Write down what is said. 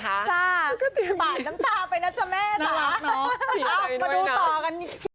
ป่านน้ำตาไปนะจ๊ะแม่น่ารักเนอะมาดูต่อกัน